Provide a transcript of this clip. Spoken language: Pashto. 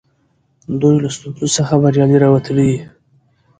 دوی له ستونزو څخه بریالي راوتلي دي.